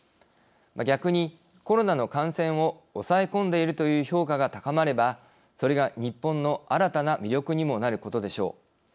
逆に、コロナの感染を抑え込んでいるという評価が高まればそれが日本の新たな魅力にもなることでしょう。